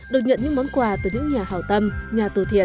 được nhận những món quà từ những nhà hào tâm nhà từ thiện